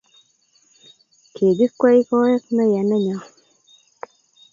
Kigikwey koek meya nenyo---